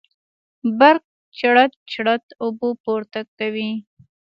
برق چړت چړت اوبه پورته کوي.